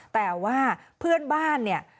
แต่ว่าเพื่อนบ้านเนี่ย